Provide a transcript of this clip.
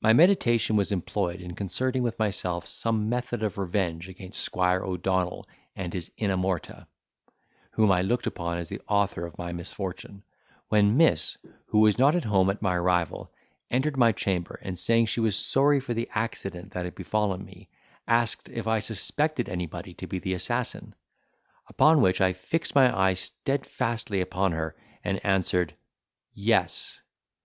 My meditation was employed in concerting with myself some method of revenge against Squire O'Donnell and his inamorata, whom I looked upon as the author of my misfortune; when miss, who was not at home at my arrival, entered my chamber, and saying she was sorry for the accident that had befallen me, asked if I suspected anybody to be the assassin; upon which I fixed my eyes steadfastly upon her and answered, "Yes."